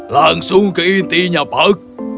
langsung ke intinya pak